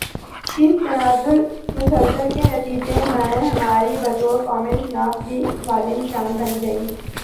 اس تنزل مسلسل کے نتیجے میں ہماری بطور قوم شناخت بھی ایک سوالیہ نشان بن گئی